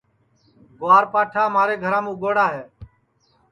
گُوار پاٹھا مھارے گھرام اُگوڑا ہے